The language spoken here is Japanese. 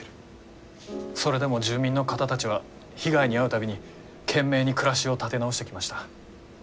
それでも住民の方たちは被害に遭う度に懸命に暮らしを立て直してきました。